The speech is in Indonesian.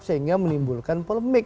sehingga menimbulkan polemik